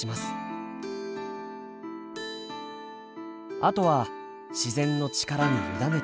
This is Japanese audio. あとは自然の力に委ねて。